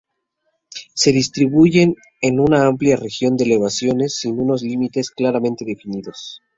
Se distribuyen en una amplia región de elevaciones sin unos límites claramente definidos.